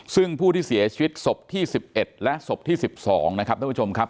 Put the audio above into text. ซึ่งผู้ที่เสียชีวิตศพที่๑๑และศพที่๑๒นะครับท่านผู้ชมครับ